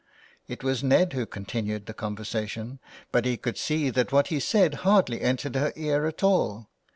It was Ned who continued the conversation, but he could see that what he said hardly entered her ear at all.